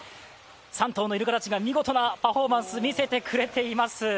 ３頭のイルカたちが、見事なパフォーマンス見せてくれています。